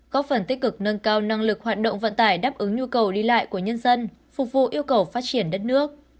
góp phần tích cực nâng cao năng lực hoạt động vận tải đáp ứng nhu cầu đi lại của nhân dân phục vụ yêu cầu phát triển đất nước